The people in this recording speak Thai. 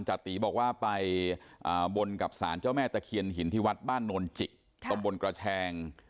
จติบอกว่าไปบนกับสารเจ้าแม่ตะเคียนหินที่วัดบ้านโนนจิกตำบลกระแชง